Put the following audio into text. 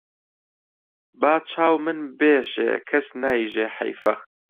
با چاو من بێشێ کەس نایژێ حەیفە